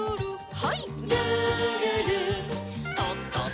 はい。